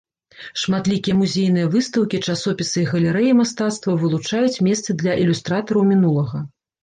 Шматлікія музейныя выстаўкі, часопісы і галерэі мастацтваў вылучаюць месцы для ілюстратараў мінулага.